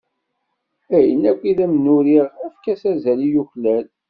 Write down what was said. Ayen akk i d am-n-uriɣ efk-as azal i yuklal.